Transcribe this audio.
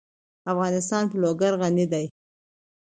افغانستان په لوگر غني دی.